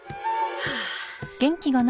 はあ。